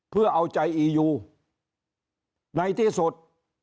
เพื่อเอาใจอียูในที่สุด